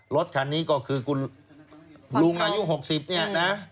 รถคันนี้ก็คือคุณลุงอายุ๖๐เนี่ยนะ